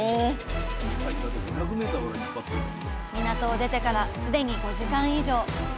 港を出てからすでに５時間以上。